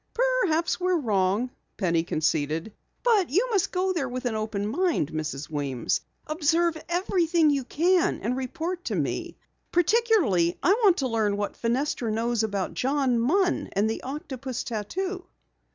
"Perhaps we're wrong," Penny conceded, "but you must go there with an open mind, Mrs. Weems. Observe everything you can and report to me. Particularly I want to learn what Fenestra knows about John Munn and the octopus tattoo."